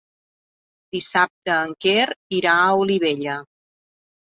Dissabte en Quer irà a Olivella.